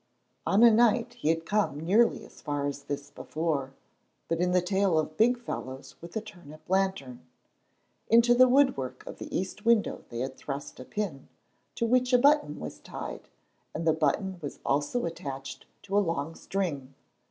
On a night he had come nearly as far as this before, but in the tail of big fellows with a turnip lantern. Into the wood work of the east window they had thrust a pin, to which a button was tied, and the button was also attached to a long string.